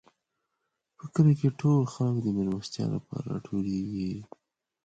په کلي کې ټول خلک د مېلمستیا لپاره راټولېږي.